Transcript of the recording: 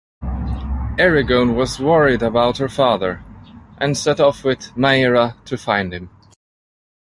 Erigone was worried about her father, and set off with Maera to find him.